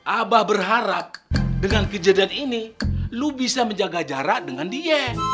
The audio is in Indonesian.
abah berharap dengan kejadian ini lu bisa menjaga jarak dengan diet